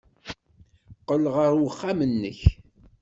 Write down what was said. Qqel ɣer uxxam-nnek.